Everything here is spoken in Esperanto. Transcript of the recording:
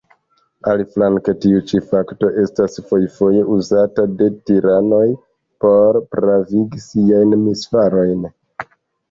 Aliflanke tiu ĉi fakto estas fojfoje uzata de tiranoj por pravigi siajn misfarojn.